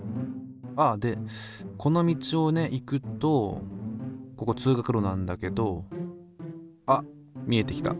ああでこの道をね行くとここ通学路なんだけどあっ見えてきた。